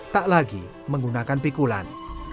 tak lagi menggunakan pikulan